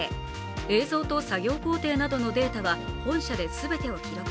映像と作業工程などのデータは本社で全てを記録。